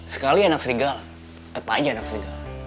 sekali anak serigala tetep aja anak serigala